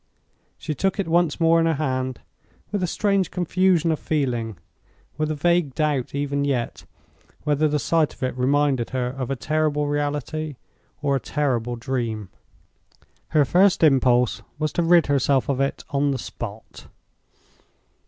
She took it once more in her hand, with a strange confusion of feeling—with a vague doubt even yet, whether the sight of it reminded her of a terrible reality or a terrible dream. Her first impulse was to rid herself of it on the spot.